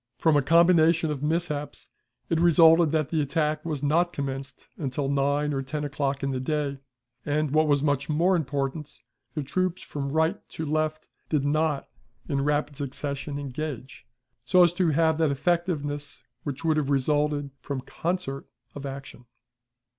From a combination of mishaps, it resulted that the attack was not commenced until nine or ten o'clock in the day, and, what was much more important, the troops from right to left did not in rapid succession engage, so as to have that effectiveness which would have resulted from concert of action.